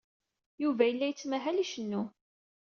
Yuba yella yettmahal, icennu.